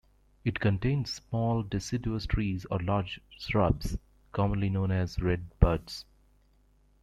It contains small deciduous trees or large shrubs commonly known as redbuds.